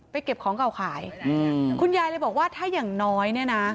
ไปเก็บของเก่าขายคุณยายเลยบอกว่าถ้าอย่างน้อยนะ